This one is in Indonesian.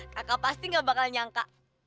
kakak pasti gak bakal nyangka